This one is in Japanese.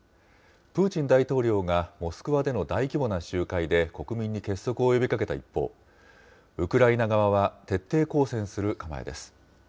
プーチン大統領が、モスクワでの大規模な集会で国民に結束を呼びかけた一方、ウクライナ側は、徹底抗戦する構えです。